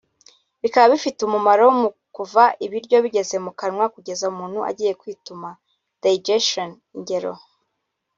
Bikaba bifite umumaro mu kuva ibiryo bigeze mu kanwa kugeza umuntu agiye kwituma (digestion) ingero